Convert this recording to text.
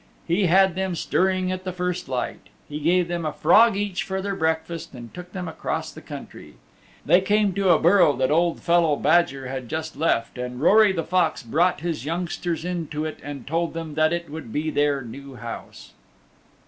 He had them stirring at the first light. He gave them a frog each for their breakfast and took them across the country. They came to a burrow that Old Fellow Badger had just left and Rory the Fox brought his youngsters into it and told them that it would be their new house.